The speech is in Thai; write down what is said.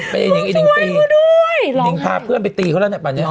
ปลงช่วยกูด้วย